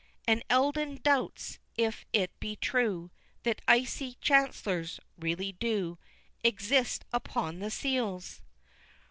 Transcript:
And Eldon doubts if it be true, That icy Chancellors really do Exist upon the seals!